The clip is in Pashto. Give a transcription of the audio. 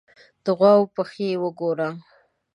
_د غواوو پښې وګوره!